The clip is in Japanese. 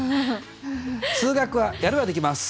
数学はやればできます。